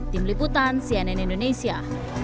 tim liputan cnn indonesia